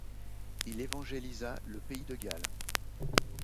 Il évangélisa le pays de Galles.